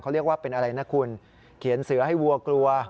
เขาเรียกว่าเป็นอะไรนะคุณเขียนเสือให้วัวกลัว